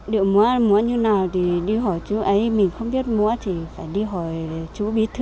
điệu múa như nào thì đi hỏi chú ấy mình không biết múa thì phải đi hỏi chú bí thư mình không biết làm thì cũng phải hỏi bí thư